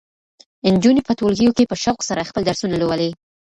نجونې په ټولګیو کې په شوق سره خپل درسونه لولي.